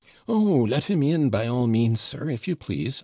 'Oh, let him in, by all means, sir, if you please!